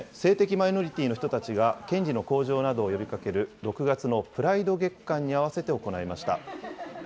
性的マイノリティーの人たちが、権利の向上などを呼びかける６月のプライド月間に合わせて行いました。